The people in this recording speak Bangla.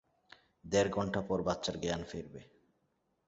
দেড় ঘন্টা পর বাচ্চার জ্ঞান ফিরবে।